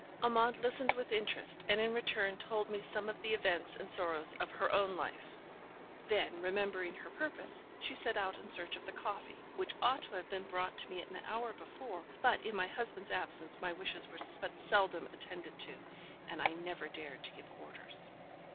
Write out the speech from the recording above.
Amante listened with interest, and in return told me some of the events and sorrows of her own life. Then, remembering her purpose, she set out in search of the coffee, which ought to have been brought to me an hour before; but, in my husband's absence, my wishes were but seldom attended to, and I never dared to give orders.